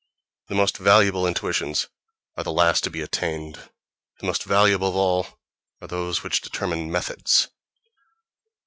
The most valuable intuitions are the last to be attained; the most valuable of all are those which determine methods.